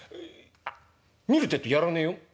あっ見るってえとやらねえよ」。